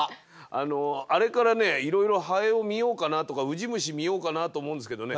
あのあれからねいろいろハエを見ようかなとかウジ虫見ようかなと思うんですけどね